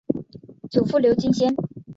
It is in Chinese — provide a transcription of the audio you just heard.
祖父刘敬先。